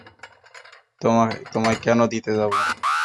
তোমায় কেন দিতে যাবো?